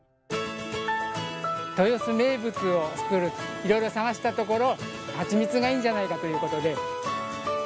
いろいろ探したところはちみつがいいんじゃないかということで。